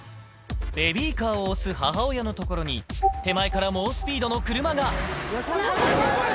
ベビーカーを押す母親の所に、手前から猛スピードの車が。